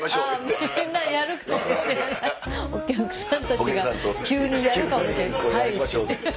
お客さんたちが急にやるかもしれない。